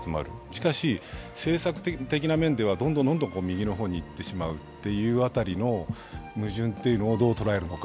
しかし、政策的な面ではどんどん右の方にいってしまうというあたりの矛盾というのを、どう捉えるのか。